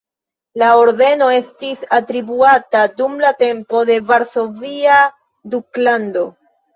La ordeno estis atribuata dum la tempo de Varsovia Duklando.